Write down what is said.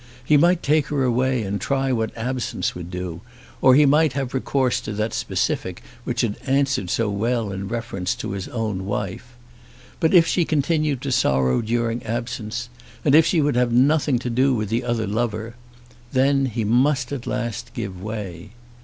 He might take her away and try what absence would do, or he might have recourse to that specific which had answered so well in reference to his own wife; but if she continued to sorrow during absence, and if she would have nothing to do with the other lover, then he must at last give way!